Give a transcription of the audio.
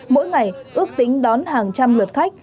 mỗi ngày ước tính đón hàng trăm ngược khách